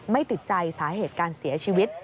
ไม่ติดใจสาเหตุการเสียชีวิต